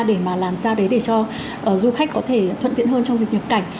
để mà làm sao đấy để cho du khách có thể thuận tiện hơn trong việc nhập cảnh